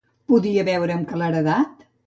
Podia veure amb claredat?